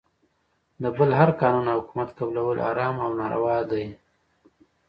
د بل هر قانون او حکومت قبلول حرام او ناروا دی .